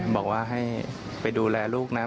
บอกว่าให้ไปดูแลลูกนะ